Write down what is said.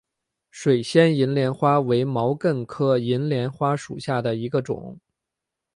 水仙银莲花为毛茛科银莲花属下的一个种。